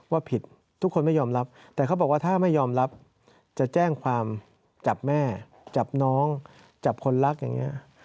ผิดทุกคนไม่ยอมรับแต่เขาบอกว่าถ้าไม่ยอมรับจะแจ้งความจับแม่จับน้องจับคนรักอย่างนี้